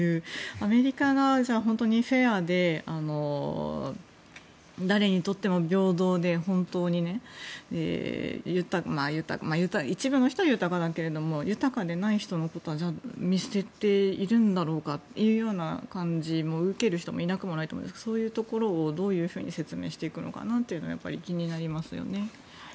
アメリカが本当にフェアで誰にとっても平等で本当にね一部の人は豊かだけれども豊かではない人のことは見捨てているだろうかという感じも受ける人もいなくはないと思うんですがそういうところをどう説明していくのかなって気になりますよね。